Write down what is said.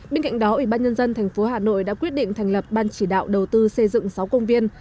bên cạnh đó ủy ban nhân dân tp hà nội đã quyết định thành lập ban chỉ đạo đầu tư xây dựng sáu công viên